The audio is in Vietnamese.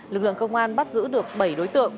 lực lượng công an bắt giữ được bảy đối tượng